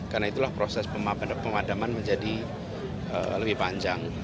karena itulah proses pemadaman menjadi lebih panjang